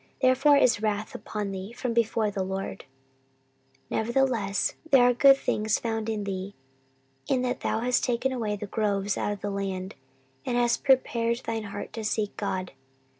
therefore is wrath upon thee from before the LORD. 14:019:003 Nevertheless there are good things found in thee, in that thou hast taken away the groves out of the land, and hast prepared thine heart to seek God.